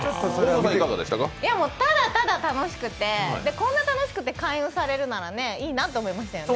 ただただ楽しくて、こんなに楽しくて開運されるならいいなと思いましたよね。